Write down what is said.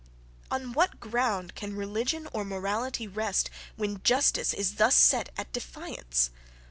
On what ground can religion or morality rest, when justice is thus set at defiance?